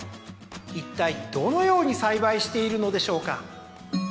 いったいどのように栽培しているのでしょうか。